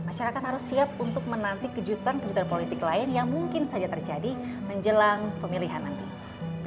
masyarakat harus siap untuk menanti kejutan kejutan politik lain yang mungkin saja terjadi menjelang pemilihan nanti